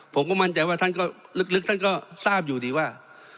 ผมก็มั่นใจว่าท่านก็ลึกท่านก็ทราบอยู่ดีว่า